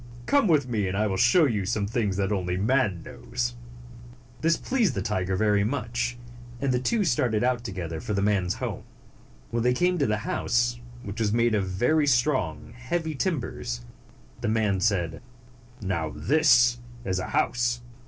Come with me, and I will show you some things that only man knows." This pleased the young tiger very much, and the two started out together for the man's home. When they came to the house, which was made of very strong, heavy timbers, the man said, 138 "Now this is a house.